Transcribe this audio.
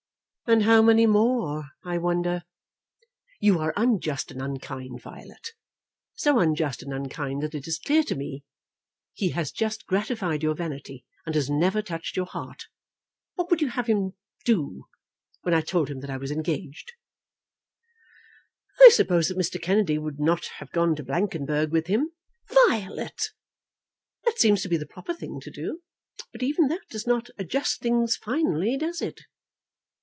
"And how many more, I wonder?" "You are unjust, and unkind, Violet. So unjust and unkind that it is clear to me he has just gratified your vanity, and has never touched your heart. What would you have had him do, when I told him that I was engaged?" "I suppose that Mr. Kennedy would not have gone to Blankenberg with him." "Violet!" "That seems to be the proper thing to do. But even that does not adjust things finally; does it?"